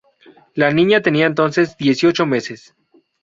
La niña tenía entonces dieciocho meses.